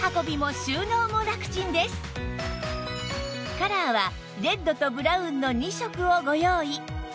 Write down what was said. カラーはレッドとブラウンの２色をご用意